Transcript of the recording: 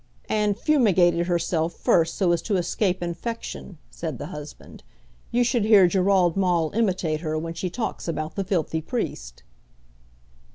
"And fumigated herself first so as to escape infection," said the husband. "You should hear Gerard Maule imitate her when she talks about the filthy priest."